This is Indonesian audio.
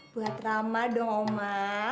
buat rama dong oma